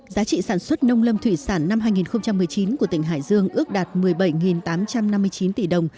giá trị sản xuất nông lâm thủy sản năm hai nghìn một mươi chín của tỉnh hải dương ước đạt một mươi bảy tám trăm năm mươi chín tỷ đồng